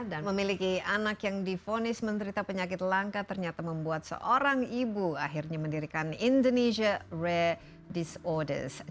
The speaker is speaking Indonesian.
dan memiliki anak yang difonis menderita penyakit langka ternyata membuat seorang ibu akhirnya mendirikan indonesia rare diagnosis center